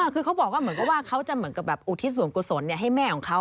คือเขาบอกว่าเขาจะอุทิศสวงกุศลให้แม่ของเขา